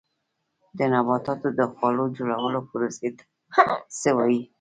د نباتاتو د خواړو جوړولو پروسې ته څه وایي